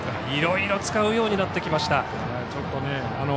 いろいろ使うようになってきました。